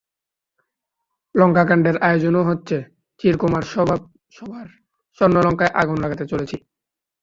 লঙ্কাকাণ্ডের আয়োজনও হচ্ছে, চিরকুমার-সভার স্বর্ণলঙ্কায় আগুন লাগাতে চলেছি।